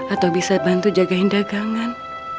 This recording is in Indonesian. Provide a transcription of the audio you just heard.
atau bisa bantu jagain dagangan